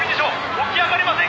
起き上がれません！